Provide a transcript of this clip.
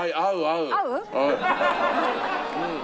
うん。